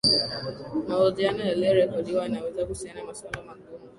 mahojiano yaliyorekodiwa yanaweza kuhusisha maswali magumu